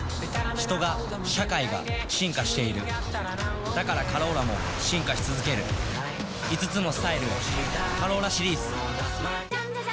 人が社会が進化しているだから「カローラ」も進化し続ける５つのスタイルへ「カローラ」シリーズなわとび